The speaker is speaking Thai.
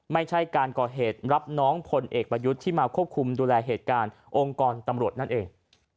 ไม่ใช่การก่อเหตุรับน้องพลเอกประยุทธ์ที่มาควบคุมดูแลเหตุการณ์องค์กรตำรวจนั่นเอง